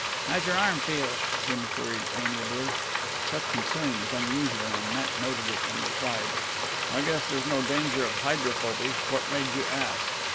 "How's your arm feel?" Jim queried amiably. Such concern was unusual, and Matt noted it, and replied: "I guess there's no danger of hydrophoby. What made you ask?"